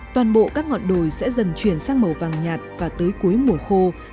toàn bộ các ngọn đồi sẽ dần chuyển sang màu vàng nhạt và tới cuối mùa khô